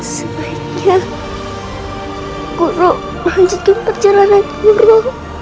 sebaiknya guru melanjutkan perjalanan guru